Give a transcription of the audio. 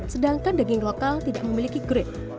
sedangkan daging lokal tidak memiliki grade